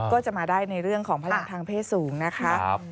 ก็จะมาได้ในเรื่องของพลังทางเพศสูงนะคะ